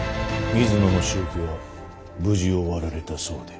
水野の仕置きは無事終わられたそうで。